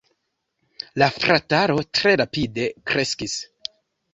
La frataro tre rapide kreskis.